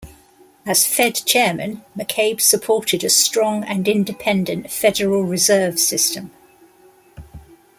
As Fed chairman, McCabe supported a strong and independent Federal Reserve System.